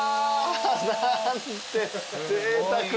何てぜいたくな。